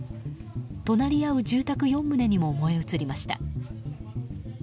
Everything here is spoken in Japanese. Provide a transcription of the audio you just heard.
隣り合う住宅４棟にも燃え移りました。